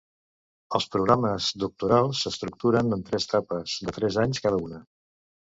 Els programes doctorals s'estructuren en tres etapes de tres anys cada una.